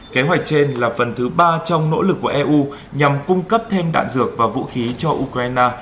kế hoạch trên là phần thứ ba trong nỗ lực của eu nhằm cung cấp thêm đạn dược và vũ khí cho ukraine